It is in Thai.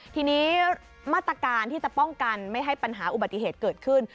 ทีนี้มาตรการที่จะป้องกันไม่ให้ปัญหาอุบัติเหตุเกิดขึ้น